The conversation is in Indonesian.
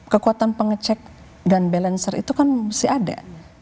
kekuatan pengecek dan balancer itu kan masih ada